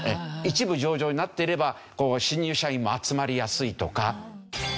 一部上場になっていれば新入社員も集まりやすいとか。